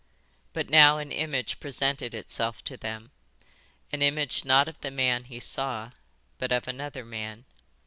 But now an image presented itself to them, an image not of the man he saw, but of another man.